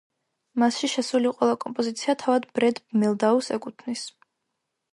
მასში შესული ყველა კომპოზიცია თავად ბრედ მელდაუს ეკუთვნის.